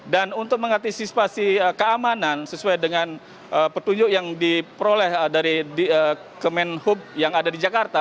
dan untuk mengantisipasi keamanan sesuai dengan petunjuk yang diperoleh dari kemenhub yang ada di jakarta